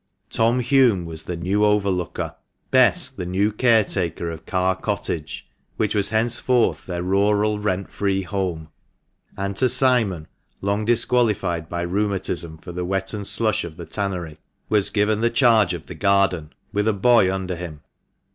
Tom Hulme was the new overlooker, THE MANCHESTER MAN. 239 Bess the new caretaker of Carr Cottage, which was henceforth their rural rent free home ; and to Simon, long disqualified by rheumatism for the wet and slush of the tannery, was given the charge of the garden, with a boy under him.